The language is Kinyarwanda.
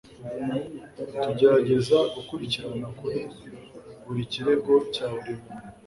Tugerageza gukurikirana kuri buri kirego cya buri muntu